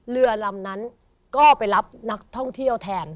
เรือลำนั้นก็ไปรับนักท่องเที่ยวแทน